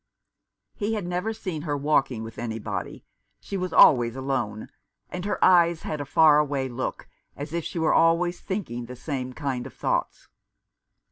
He had never seen her walking with anybody. She was always alone, and her eyes had a far away look, as if she was always thinking the same kind of thoughts.